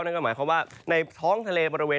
นั่นก็หมายความว่าในท้องทะเลบริเวณ